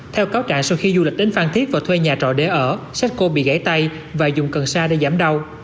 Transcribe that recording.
theo cáo trạng sau khi du lịch đến phan thiết và thuê nhà trọ để ở satco bị gãy tay và dùng cần sa để giảm đau